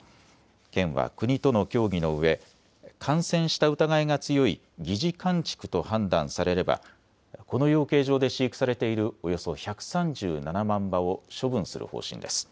県は国との協議のうえ感染した疑いが強い疑似患畜と判断されればこの養鶏場で飼育されているおよそ１３７万羽を処分する方針です。